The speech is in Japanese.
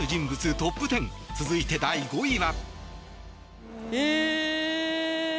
トップ１０続いて第５位は。